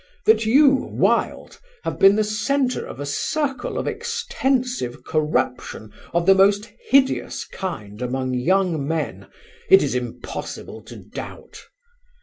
That you, Wilde, have been the centre of a circle of extensive corruption of the most hideous kind among young men it is impossible to doubt.